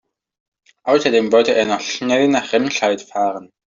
Außerdem wollte er noch schnell nach Remscheid fahren